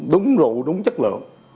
đúng rượu đúng chất lượng